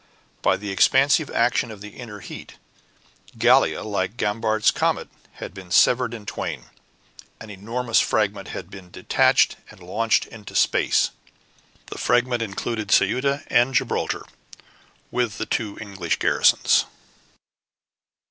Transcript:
By the expansive action of the inner heat, Gallia, like Gambart's comet, had been severed in twain; an enormous fragment had been detached and launched into space! The fragment included Ceuta and Gibraltar, with the two English garrisons!